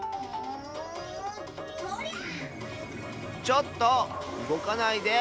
ちょっとうごかないで！